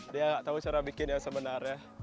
dia nggak tahu cara bikin yang sebenarnya